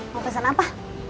mau pesen apa